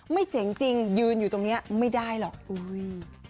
เจ๋งจริงยืนอยู่ตรงนี้ไม่ได้หรอกอุ้ย